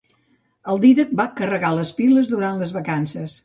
El Dídac va carregar les piles durant les vacances.